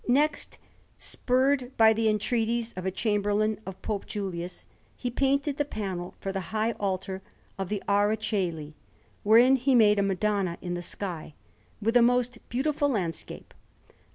Next, spurred by the entreaties of a Chamberlain of Pope Julius, he painted the panel for the high altar of the Araceli, wherein he made a Madonna in the sky, with a most beautiful landscape, a S.